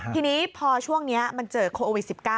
ทีนี้พอช่วงนี้มันเจอโควิด๑๙